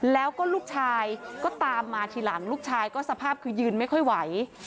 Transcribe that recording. แล้วก็ลูกชายก็ตามมาทีหลังลูกชายก็สภาพคือยืนไม่ค่อยไหว